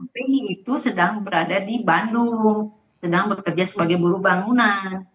peni itu sedang berada di bandung sedang bekerja sebagai buruh bangunan